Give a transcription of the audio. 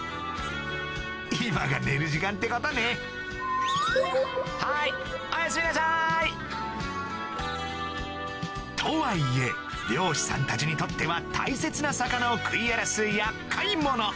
今が寝る時間ってことねはいとはいえ漁師さんたちにとっては大切な魚を食い荒らす厄介者